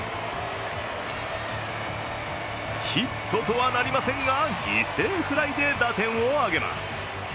ヒットとはなりませんが犠牲フライで打点を挙げます。